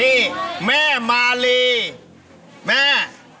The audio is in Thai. นี่แม่มาลีแม่